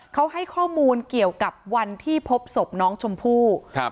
เขาให้ข้อมูลเกี่ยวกับวันที่พบศพน้องชมพู่ครับ